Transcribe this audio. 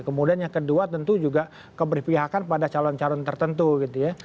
kemudian yang kedua tentu juga keberpihakan pada calon calon tertentu gitu ya